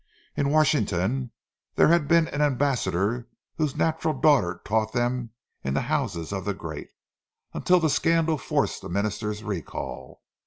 In Washington there had been an ambassador whose natural daughter taught them in the houses of the great, until the scandal forced the minister's recall.